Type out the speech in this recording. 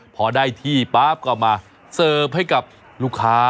พอได้ที่ปั๊บก็มาเสิร์ฟให้กับลูกค้า